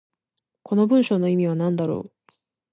この文章の意味は何だろう。